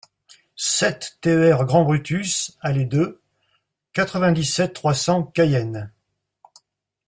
sept TER grand Brutus Allée deux, quatre-vingt-dix-sept, trois cents, Cayenne